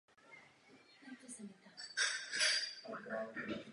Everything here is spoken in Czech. Tento počet vycházel mimo jiné s obav z dalšího dualismu po rozpadu československé federace.